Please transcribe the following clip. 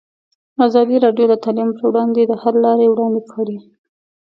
ازادي راډیو د تعلیم پر وړاندې د حل لارې وړاندې کړي.